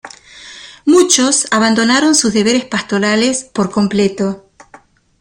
Muchos abandonaron sus deberes pastorales por completo.